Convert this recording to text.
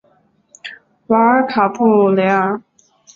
瓦尔卡布雷尔。